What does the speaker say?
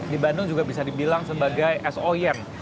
di bandung juga bisa dibilang sebagai es oyen